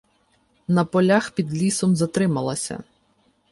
На полях під лісом затрималася.